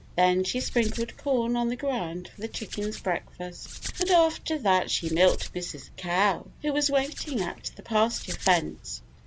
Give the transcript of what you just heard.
Then she sprinkled corn on the ground for the chickens' breakfast, and after that she milked Mrs. Cow, who was waiting at the pasture fence.